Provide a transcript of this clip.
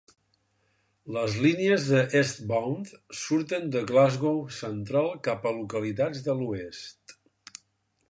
Les línies d'Eastbound surten de Glasgow Central cap a localitats de l'oest.